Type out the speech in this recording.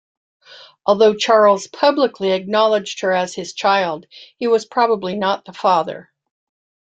Although Charles publicly acknowledged her as his child, he was probably not the father.